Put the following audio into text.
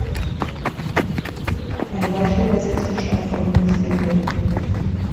Eine weitere Übersetzung stammt von Ruth Manley.